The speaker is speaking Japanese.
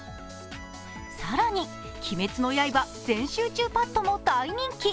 更に鬼滅の刃全集中パッドも大人気。